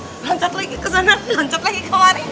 loncat lagi ke sana loncat lagi kemari